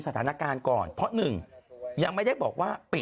สถานการณ์ก่อนเพราะหนึ่งยังไม่ได้บอกว่าปิด